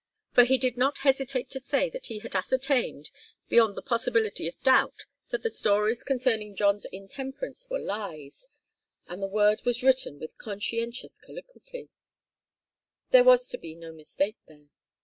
For he did not hesitate to say that he had ascertained, beyond the possibility of doubt that the stories concerning John's intemperance were lies and the word was written with conscientious calligraphy. There was to be no mistake there.